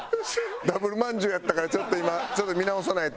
ダブルまんじゅうやったからちょっと今ちょっと見直さないと。